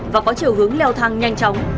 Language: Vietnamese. và có chiều hướng leo thang nhanh chóng